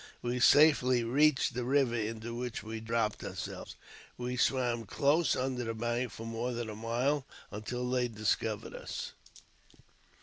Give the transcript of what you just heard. We safely reached the river, into which we^ dropped ourselves. We swam close under the bank for more than a mile, until they discovered us.